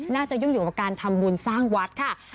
ยุ่งอยู่กับการทำบุญสร้างวัดค่ะ